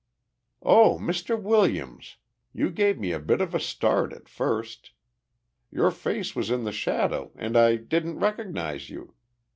"Oh, Mr. Williams! You gave me a bit of a start at first. Your face was in the shadow and I didn't recognize you.